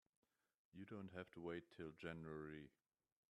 You don't have to wait till January.